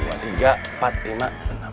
dua tiga empat lima